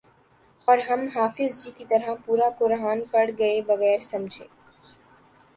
اور ہم حافظ جی کی طرح پورا قرآن پڑھ گئے بغیر سمجھے